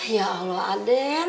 ya allah aden